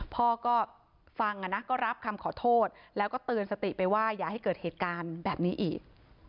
พ่อก็ฟังนะก็รับคำขอโทษแล้วก็เตือนสติไปว่าอย่าให้เกิดเหตุการณ์แบบนี้อีก